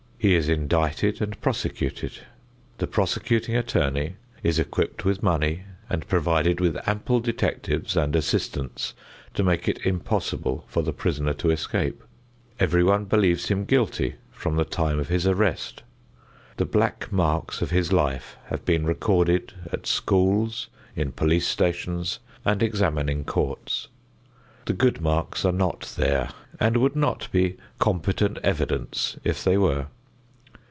He is indicted and prosecuted. The prosecuting attorney is equipped with money and provided with ample detectives and assistants to make it impossible for the prisoner to escape. Everyone believes him guilty from the time of his arrest. The black marks of his life have been recorded at schools, in police stations and examining courts. The good marks are not there and would not be competent evidence if they were.